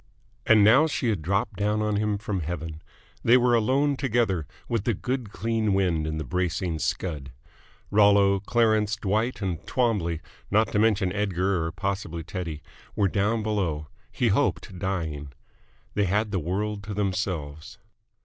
And now she had dropped down on him from heaven. They were alone together with the good clean wind and the bracing scud. Rollo, Clarence, Dwight, and Twombley, not to mention Edgar or possibly Teddy, were down below he hoped, dying. They had the world to themselves.